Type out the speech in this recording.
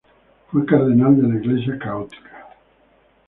Fue cardenal de la Iglesia católica.